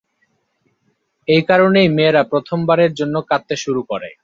এই কারণেই মেয়েরা প্রথমবারের জন্য কাঁদতে শুরু করে।